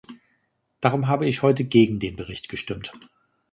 Darum habe ich heute gegen den Bericht gestimmt.